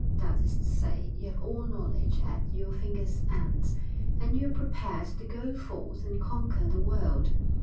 That is to say, you have all knowledge at your fingers' ends, and you are prepared to go forth and conquer the world.